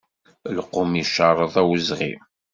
Lqum iceṛṛeḍ awezɣi.